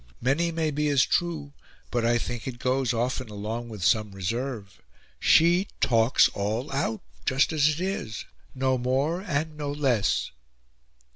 Many may be as true, but I think it goes often along with some reserve. She talks all out; just as it is, no more and no less."